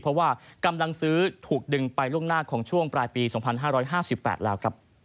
เพราะว่ากำลังซื้อถูกดึงไปล่วงหน้าของช่วงปลายปี๒๕๕๘แล้วครับ